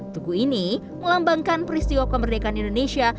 tugu ini melambangkan peristiwa kemerdekaan indonesia